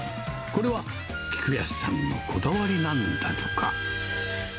これは菊安さんのこだわりなんだとか。